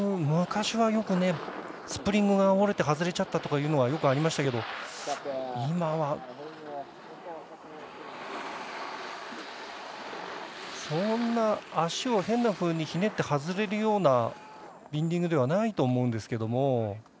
昔はよくスプリングが折れて外れちゃったということはよくありましたけど今はそんなに足を変なふうにひねって外れるようなビンディングではないと思うんですけども。